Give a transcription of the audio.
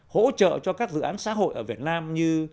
hỗ trợ cho các dự án xã hội ở việt nam như